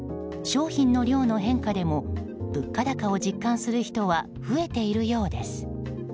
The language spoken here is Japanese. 商品の量の変化でも物価高を実感する人は増えているようです。